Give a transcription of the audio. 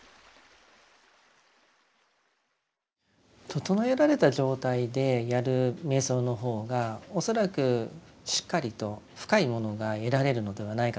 整えられた状態でやる瞑想の方が恐らくしっかりと深いものが得られるのではないかと思います。